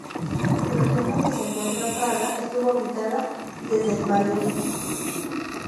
La región donde se encuentra Praga estuvo habitada desde el Paleolítico.